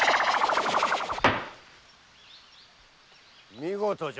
見事じゃ。